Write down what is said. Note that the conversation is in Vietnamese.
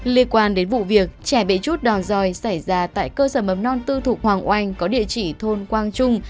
liên quan đến vụ việc trẻ bể chút đòn roi xảy ra tại cơ sở mầm non tư thục hoàng oanh có địa chỉ thôn quang trung